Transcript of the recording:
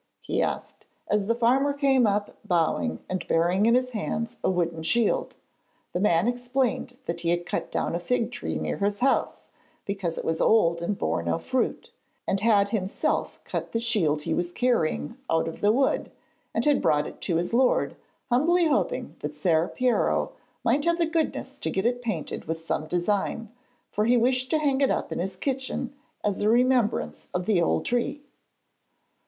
he asked, as the farmer came up bowing, and bearing in his hands a wooden shield. The man explained that he had cut down a fig tree near his house, because it was old and bore no fruit, and had himself cut the shield he was carrying out of the wood, and had brought it to his lord, humbly hoping that Ser Piero might have the goodness to get it painted with some design, for he wished to hang it up in his kitchen, as a remembrance of the old tree.